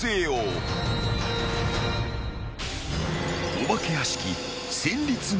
［お化け屋敷］